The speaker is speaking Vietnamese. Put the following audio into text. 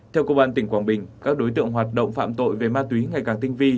theo công an tỉnh quảng bình các đối tượng hoạt động phạm tội về ma túy ngày càng tinh vi